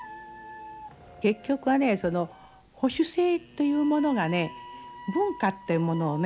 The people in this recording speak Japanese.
結局はね保守性というものがね文化ってものをね